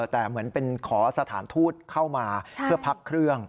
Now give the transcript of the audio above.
แต่เหมือนเป็นขอสถานทูตเข้ามาเพื่อพักเครื่อง